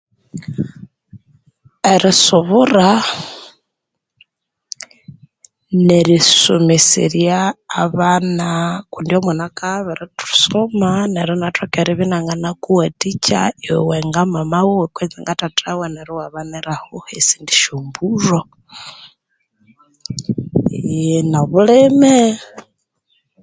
Erisubura neri someserya abana kundi omwana akabya iba birisoma neru inathoka eribya inanganakuwathikya iwe nga mama wiwe kutsibu nga Thatha wiwe neryu iwabaniraho hesindi syo mbulho eh no bulime